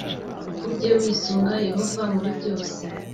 uge wisunga Yehova muri byose